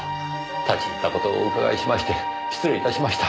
立ち入った事をお伺いしまして失礼いたしました。